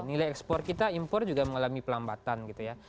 nilai ekspor kita impor juga mengalami pelambatan gitu ya